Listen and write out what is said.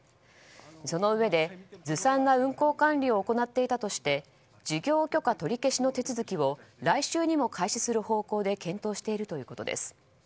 そのうえで、ずさんな運航管理を行っていたとして事業許可取り消しの手続きを来週にも開始する方向で検討しているということです。